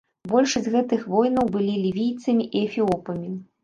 Большасць гэтых воінаў былі лівійцамі і эфіопамі.